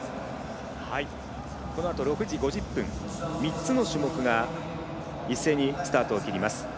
このあと６時５０分３つの種目が一斉にスタートを切ります。